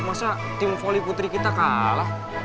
masa tim volley putri kita kalah